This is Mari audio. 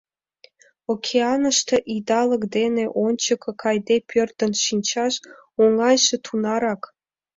Океаныште идалык дене ончыко кайде пӧрдын шинчаш — оҥайже тунарак.